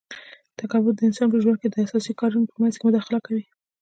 تکبر د انسان په ژوند کي د اساسي کارونو په منځ کي مداخله کوي